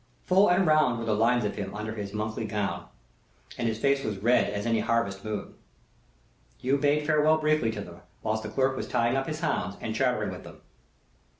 Full and round were the lines of him under his monkly gown; and his face was red as any harvest moon. Hugh bade farewell briefly to them, while the clerk was tying up his hounds and chattering with them.